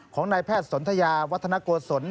ของนายแพทย์สนทยาวัฒนโกศล